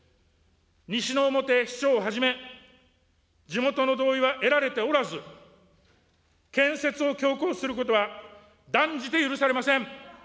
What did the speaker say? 西之表市長をはじめ、地元の同意は得られておらず、建設を強行することは、断じて許されません。